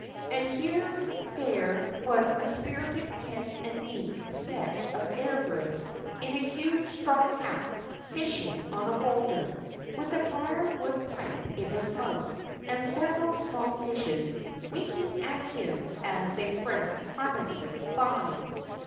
And here there was a spirited pen and ink sketch of Everard in a huge straw hat, fishing on a boulder, with a briar wood pipe in his mouth, and several small fishes winking at him as they frisked harmlessly by.